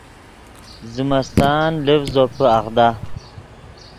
زمستان لڤز زوپے اغدا